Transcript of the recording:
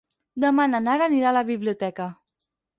Demà na Nara anirà a la biblioteca.